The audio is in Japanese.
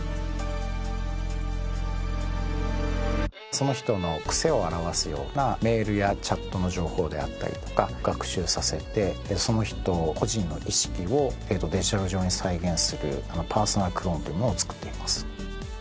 その人の癖を表すようなメールやチャットの情報であったりとか学習させてその人個人の意識をデジタル上に再現するパーソナルクローンというものを作っています。